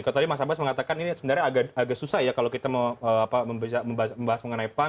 kalau tadi mas abbas mengatakan ini sebenarnya agak susah ya kalau kita membahas mengenai pan